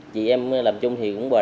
chị em làm chung thì cũng bảo